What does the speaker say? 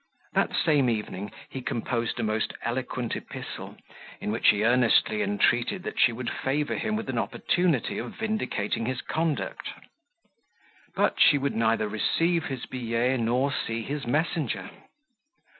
That same evening he composed a most eloquent epistle, in which he earnestly entreated that she would favour him with an opportunity of vindicating his conduct: but she would neither receive his billet, nor see his messenger.